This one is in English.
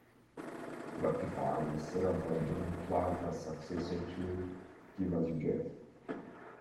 Rectifi was set up by Jonny Platt as a successor to "GiveAsYouGet".